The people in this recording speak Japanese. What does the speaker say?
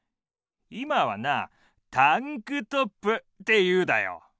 今はなタンクトップっていうだよ。